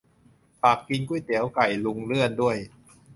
ฝากกินก๋วยเตี๋ยวไก่ลุงเลื่อนด้วย